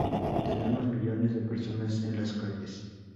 Tenemos millones de personas en las calles.